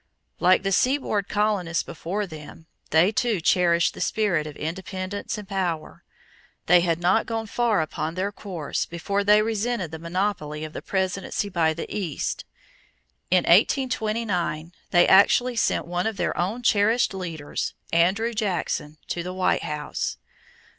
Like the seaboard colonists before them, they too cherished the spirit of independence and power. They had not gone far upon their course before they resented the monopoly of the presidency by the East. In 1829 they actually sent one of their own cherished leaders, Andrew Jackson, to the White House.